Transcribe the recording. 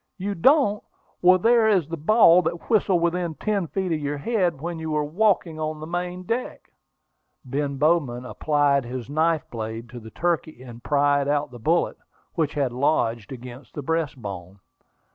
"You don't! Well, there is the ball that whistled within ten feet of your head when you were walking on the main deck." Ben Bowman applied his knife blade to the turkey, and pried out the bullet, which had lodged against the breastbone.